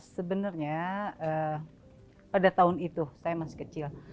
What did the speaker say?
sebenarnya pada tahun itu saya masih kecil